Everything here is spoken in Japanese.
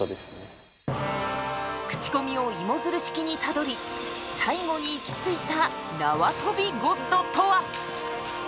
口コミを芋づる式にたどり最後に行き着いた縄跳びゴッドとは！？